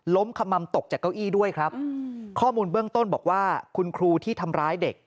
ขมัมตกจากเก้าอี้ด้วยครับข้อมูลเบื้องต้นบอกว่าคุณครูที่ทำร้ายเด็ก